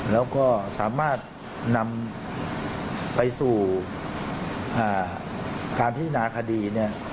แล้วก็สามารถนำไปสู่การพิจารณาคดีเนี่ย